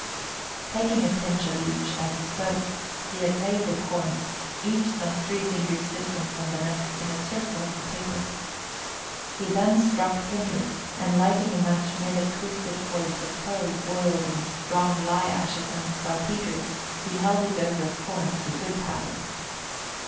Taking a pinch of each, as he spoke, he had laid the corns, each some three fingers distant from the next, in a circle on the paper. He then struck tinder, and lighting a match made of twisted cords of tow boiled in strong lye ashes and saltpetre, he held it over a corn of the good powder.